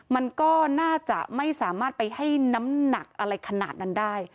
มันก็น่าจะไม่สามารถไปให้น้ำหนักอะไรขนาดนั้นได้